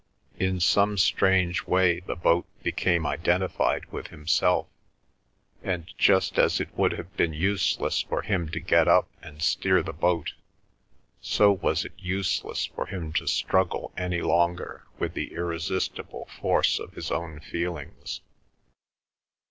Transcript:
In some strange way the boat became identified with himself, and just as it would have been useless for him to get up and steer the boat, so was it useless for him to struggle any longer with the irresistible force of his own feelings.